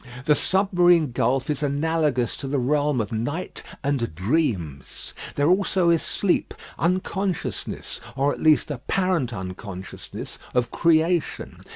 The submarine gulf is analogous to the realm of night and dreams. There also is sleep, unconsciousness, or at least apparent unconsciousness, of creation.